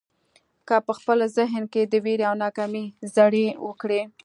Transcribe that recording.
که په خپل ذهن کې د وېرې او ناکامۍ زړي وکرئ.